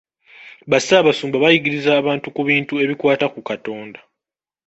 Bassaabasumba bayigiriza abantu ku bintu ebikwata ku Katonda.